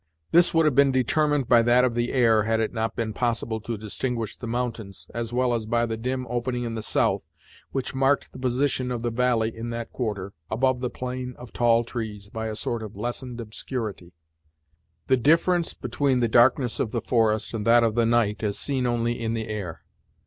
This would have been determined by that of the air, had it not been possible to distinguish the mountains, as well as by the dim opening to the south, which marked the position of the valley in that quarter, above the plain of tall trees, by a sort of lessened obscurity; the difference between the darkness of the forest, and that of the night, as seen only in the air.